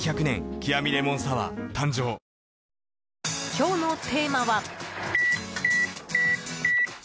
今日のテーマは。